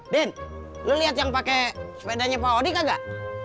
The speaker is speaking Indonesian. din lo liat yang pake sepedanya pak odi gak gak